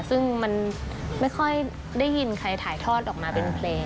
ซึ่งมันไม่ค่อยได้ยินใครถ่ายทอดออกมาเป็นเพลง